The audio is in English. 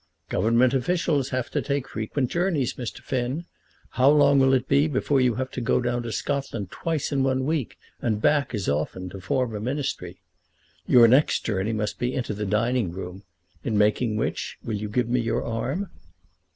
"Government officials have to take frequent journeys, Mr. Finn. How long will it be before you have to go down to Scotland twice in one week, and back as often to form a Ministry? Your next journey must be into the dining room; in making which will you give me your arm?"